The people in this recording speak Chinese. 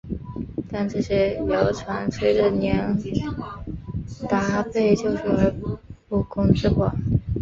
但这些谣传随着华年达被救出而不攻自破。